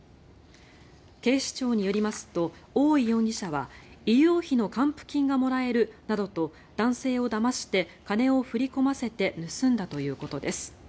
警視庁によりますと大井容疑者は医療費の還付金がもらえるなどと男性をだまして金を振り込ませて盗んだということです。